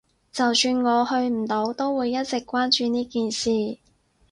就算我去唔到，都會一直關注呢件事